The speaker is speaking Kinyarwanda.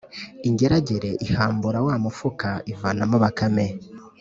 Ingeragere ihambura wa mufuka, ivanamo Bakame,